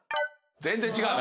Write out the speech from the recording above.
全然違う。